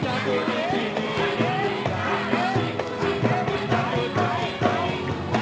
sakitnya ku disini